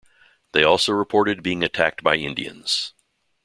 They also reported being attacked by Indians.